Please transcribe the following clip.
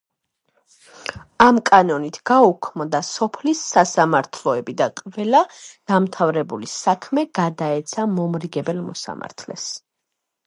ამ კანონით გაუქმდა სოფლის სასამართლოები და ყველა დაუმთავრებელი საქმე გადაეცა მომრიგებელ მოსამართლეს.